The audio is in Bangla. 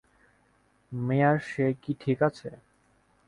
মেয়ার, সে কি ঠিক আছে?